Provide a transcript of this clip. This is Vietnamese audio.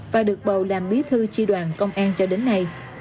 và được bầu làm bí thư tri đoàn công an cho đến nay